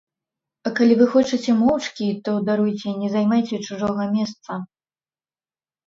А калі вы хочаце моўчкі, то, даруйце, не займайце чужога месца.